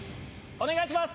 お願いします。